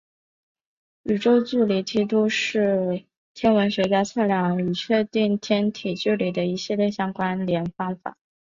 宇宙距离梯度是天文学家测量与确定天体距离的一系列相关联方法。